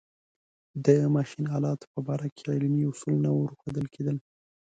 د ماشین آلاتو په باره کې علمي اصول نه ورښودل کېدل.